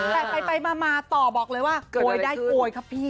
แต่ไปมาต่อบอกเลยว่าโกยได้โกยครับพี่